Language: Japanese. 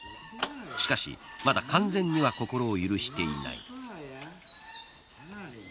しかし、まだ完全には心を許していない。